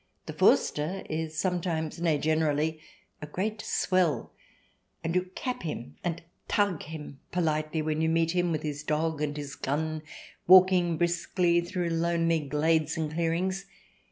The Forster is sometimes — nay, generally — a great swell, and you cap him and " Tag " him politely CH. XIV] GREAT DANES AND MICE 185 when you meet him with his dog and his gun, walking briskly through lonely glades and clear ings.